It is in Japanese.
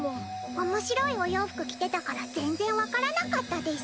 おもしろいお洋服着てたから全然わからなかったです。